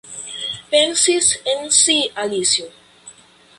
Pensis en si Alicio.